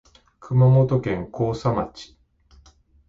熊本県甲佐町